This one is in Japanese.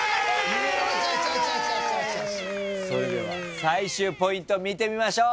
それでは最終ポイント見てみましょう。